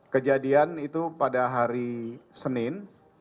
kejadian itu pada hari senin